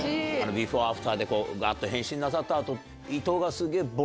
ビフォーアフターで変身なさった後。